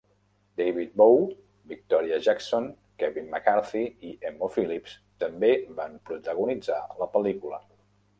David Bowe, Victoria Jackson, Kevin McCarthy i Emo Philips també van protagonitzar la pel·lícula.